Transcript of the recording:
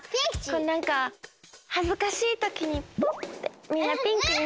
こうなんかはずかしいときにポッてみんなピンクになる。